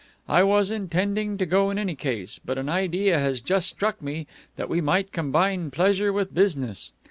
I was intending to go in any case, but an idea has just struck me that we might combine pleasure with business.